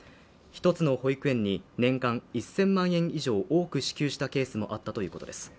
１つの保育園に年間１０００万円以上多く支給したケースもあったということです